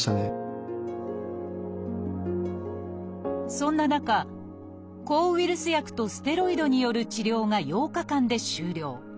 そんな中抗ウイルス薬とステロイドによる治療が８日間で終了。